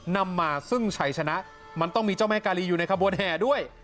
นำมาซึ่งชัยชนะมันต้องมีเจ้าแม่กาลีอยู่ในขบวนแห่ด้วย